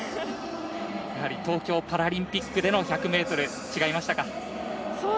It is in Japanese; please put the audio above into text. やはり東京パラリンピックでの１００ｍは違いましたか。